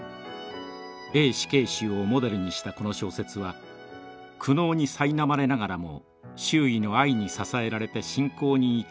Ａ死刑囚をモデルにしたこの小説は苦悩にさいなまれながらも周囲の愛に支えられて信仰に至る物語です。